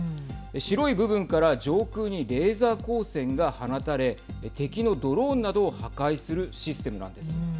白い部分から上空にレーザー光線が放たれ敵のドローンなどを破壊するシステムなんです。